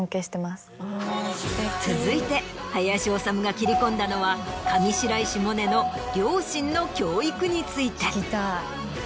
続いて林修が切り込んだのは上白石萌音の両親の教育について。